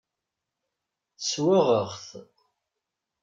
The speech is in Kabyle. Swaɣeɣ-t.